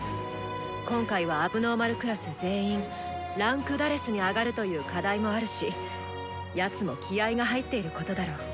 今回は問題児クラス全員位階「４」に上がるという課題もあるしやつも気合いが入っていることだろう。